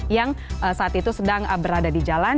yang saat itu sedang berada di jalan